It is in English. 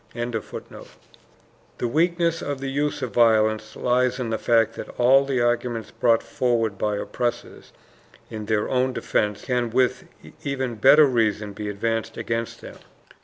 ] The weakness of the use of violence lies in the fact that all the arguments brought forward by oppressors in their own defense can with even better reason be advanced against them.